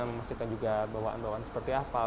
memastikan juga bawaan bawaan seperti apa